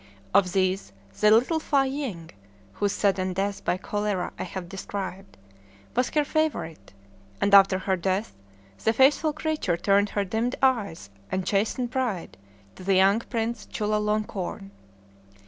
Of these the little Fâ ying (whose sudden death by cholera I have described) was her favorite; and after her death the faithful creature turned her dimmed eyes and chastened pride to the young prince Chulalonkorn.